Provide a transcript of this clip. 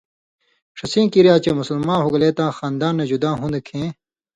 ݜسیں کریا چے مسلماں ہُوگلے تاں خاندان نہ جدا ہُوندہۡ کھیں